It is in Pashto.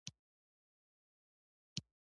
لاسونه مې وچ کړل.